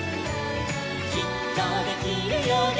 「きっとできるよね」